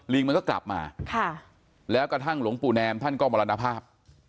มันก็กลับมาแล้วกระทั่งหลวงปู่แนมท่านก็มรณภาพ